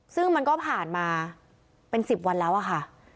ซึ่งมันก็ผ่านมาเป็น๑๐วันแล้วอะค่ะ